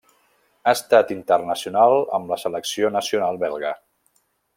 Ha estat internacional amb la selecció nacional belga.